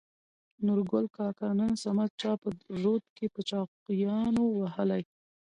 نورګل کاکا : نن صمد چا په رود کې په چاقيانو ووهلى.